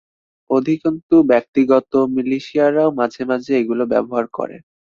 অধিকন্তু, ব্যক্তিগত মিলিশিয়ারাও মাঝে মাঝে এগুলো ব্যবহার করে।